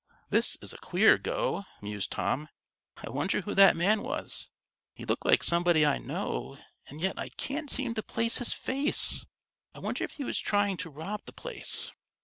"This is a queer go," mused Tom. "I wonder who that man was? He looked like somebody I know, and yet I can't seem to place his face. I wonder if he was trying to rob the place?